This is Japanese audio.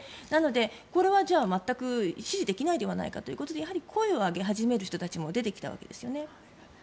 なので、これは全く支持できないではないかということでやはり声を上げ始める人たちも出てきたわけですね。